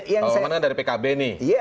yang saya tahu